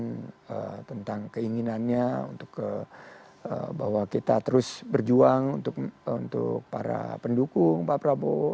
menyampaikan tentang keinginannya untuk bahwa kita terus berjuang untuk para pendukung pak prabowo